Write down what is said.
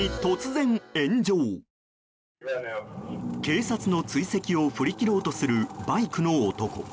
警察の追跡を振り切ろうとするバイクの男。